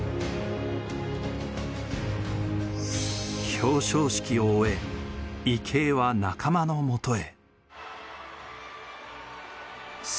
表彰式を終え、池江は仲間のもとへ。